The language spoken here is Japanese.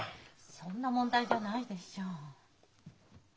そんな問題じゃないでしょう。